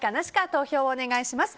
投票をお願いします。